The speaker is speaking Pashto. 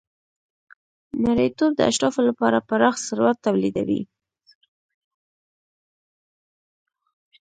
مریتوب د اشرافو لپاره پراخ ثروت تولیدوي.